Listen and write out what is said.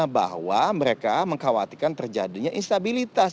bahwa mereka mengkhawatirkan terjadinya instabilitas